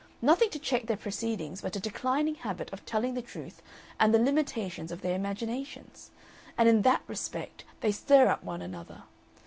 Nothing to check their proceedings but a declining habit of telling the truth and the limitations of their imaginations. And in that respect they stir up one another.